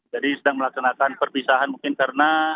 jadi sedang melaksanakan perpisahan mungkin karena